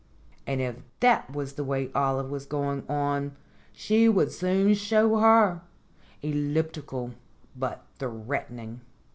And if that was the way Olive was going on, she would soon show her Elliptical but threatening.